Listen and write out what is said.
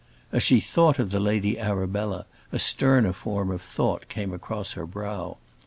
As she thought of the Lady Arabella a sterner form of thought came across her brow.